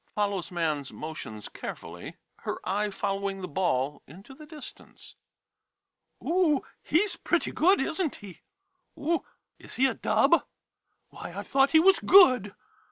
[Follows man's motions carefully, her eye following the ball into the distance.'] Oh h, he's pretty good, isn't he? Oh — is he a dub? Why, I thought he was good.